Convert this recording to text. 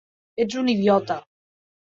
Ets un idiota!